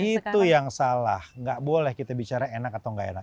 itu yang salah nggak boleh kita bicara enak atau enggak enak